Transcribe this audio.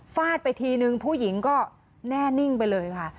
ฟาดไปทีนึงผู้หญิงก็แน่นิ่งไปเลยค่ะ